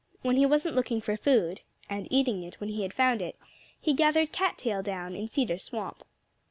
When he wasn't looking for food and eating it when he had found it he gathered cat tail down in Cedar Swamp.